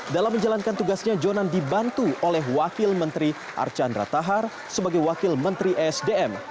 dalam menjalankan tugasnya jonan dibantu oleh wakil menteri archandra tahar sebagai wakil menteri sdm